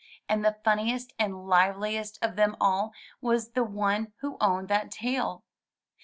And the funniest and liveliest of them all was the one who owned that tail.